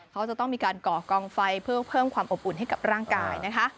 เขาจะต้องมีการก่อกองไฟเพื่อเพิ่มความอบอุ่นให้กับร่างกายนะคะ